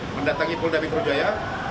mendatangi polda metro jaya